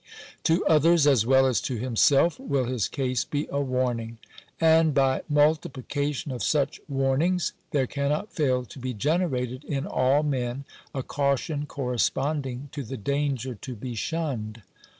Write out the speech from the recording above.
To others as well as to himself will his case be a warning. And by multiplication of such warn Digitized by VjOOQIC SANITARY SUPERVISION. . 379 ings, there cannot fail to be generated in all men a caution corresponding to the danger to be shunned.